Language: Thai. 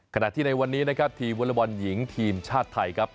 ขณะที่ในวันนี้นะครับทีมวอลบอลหญิงทีมชาติไทยครับ